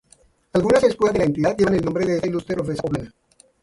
Algunas escuelas de la entidad llevan el nombre de esta ilustre profesora poblana.